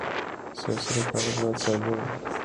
سیاسي رقابت باید سالم وي